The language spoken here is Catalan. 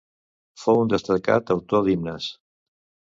Fou un destacat autor d'himnes.